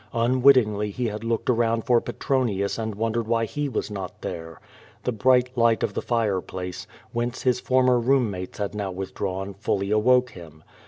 Unwittingly he had looked around for Petronius and wondered why he was not there. The bright light of the fire place, whence his former room mates had now Avithdrawn, fully awoke him.